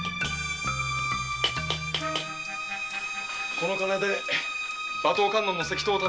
この金で馬頭観音の石塔を頼む。